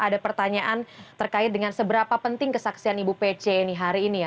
ada pertanyaan terkait dengan seberapa penting kesaksian ibu pece ini hari ini ya